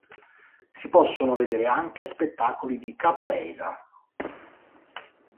Si possono vedere anche spettacoli di Capoeira.